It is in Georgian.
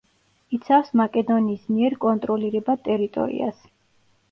იცავს მაკედონიის მიერ კონტროლირებად ტერიტორიას.